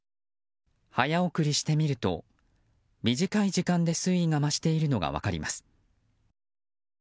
早送りしてみると短い時間で水位が増しているのが分かります。